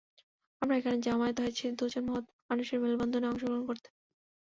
আমরা এখানে জমায়েত হয়েছি দুজন মহৎ মানুষের মেলবন্ধনে অংশগ্রহণ করতে।